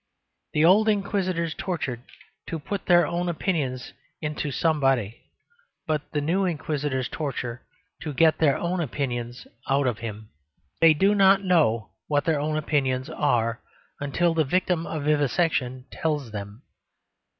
The old Inquisitors tortured to put their own opinions into somebody. But the new Inquisitors torture to get their own opinions out of him. They do not know what their own opinions are, until the victim of vivisection tells them.